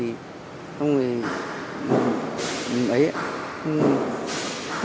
đó là chương trình hành động tiêu x starbucks